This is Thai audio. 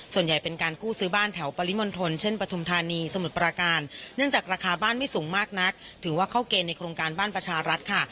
ส่วนใหญ่เป็นการกู้ซื้อบ้านแถวปริมณฑลเช่นปฐุมธานีสมุทรปราการเนื่องจากราคาบ้านไม่สูงมากนักถือว่าเข้าเกณฑ์ในโครงการบ้านประชารัฐค่ะ